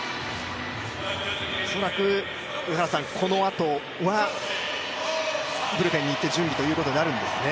恐らくこのあとはブルペンに行って準備ということになるんですね。